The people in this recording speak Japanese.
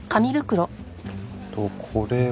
えっとこれは？